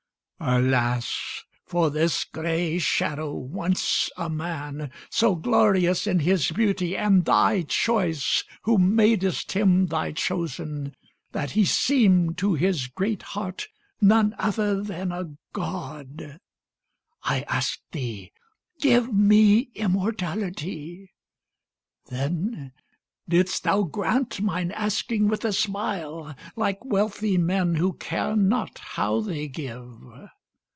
Alas! for this gray shadow, once a man So glorious in his beauty and thy choice, Who madest him thy chosen, that he seem'd To his great heart none other than a God! I ask'd thee, 'Give me immortality.' Then didst thou grant mine asking with a smile, Like wealthy men who care not how they give.